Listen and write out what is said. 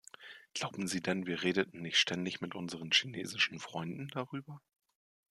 Glauben Sie denn, wir redeten nicht ständig mit unseren chinesischen Freunden darüber?